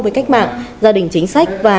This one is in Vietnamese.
với cách mạng gia đình chính sách và